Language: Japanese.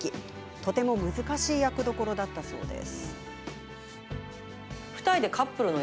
とても難しい役どころだったそうです。